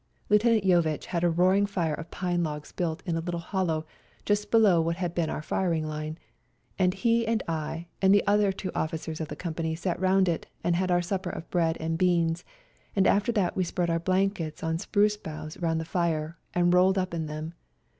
Lieut. Jovitch had a roaring fire of pine logs built in a little hollow, just below what had been our firing line, and he and I and the other two officers of the company sat round it and had our supper of bread and beans, and after that we spread our blankets on spruce boughs roimd the fire and roUed up in them.